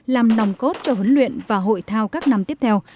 làm nòng cốt cho huấn luyện và hội thao các năm tiếp theo